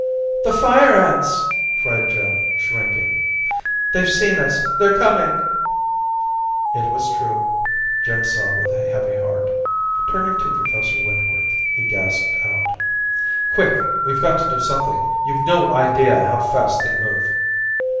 "The Fire Ants!" cried Joan, shrinking. "They've seen us! They're coming!" It was true, Jim saw with a heavy heart. Turning to Professor Wentworth, he gasped out: "Quick! We've got to do something! You've no idea how fast they move!"